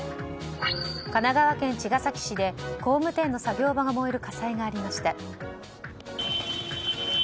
神奈川県茅ヶ崎市で工務店の作業場が燃える火災がありました。